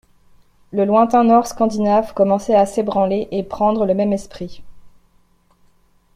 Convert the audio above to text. Le lointain Nord Scandinave commençait à s'ébranler et prendre le même esprit.